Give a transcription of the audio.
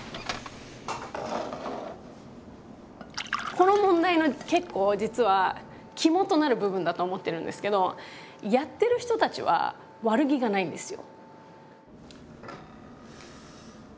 この問題の結構実はキモとなる部分だと思ってるんですけどやってる人たちは悪気がないんですよ。